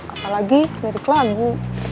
apalagi lirik lagu